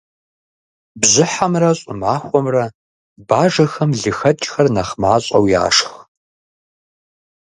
Бжьыхьэмрэ щӀымахуэмрэ бажэхэм лыхэкӏхэр нэхъ мащӏэу яшх.